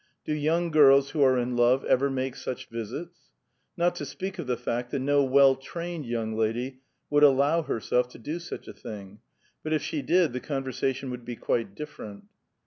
Do young girls who arc in love ever make such visits? Not to speak of the fact that no well trained young lady would allow herself to do such a thing ; hut if she did, the conver sation would he quite different.